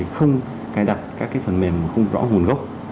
không cài đặt các phần mềm không rõ nguồn gốc